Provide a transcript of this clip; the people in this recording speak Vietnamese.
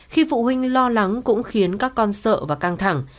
khi phụ huynh lo lắng cũng khiến các con sợ và căng thẳng